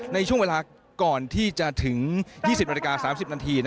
ในช่วงเวลาก่อนที่จะถึง๒๐นาฬิกา๓๐นาที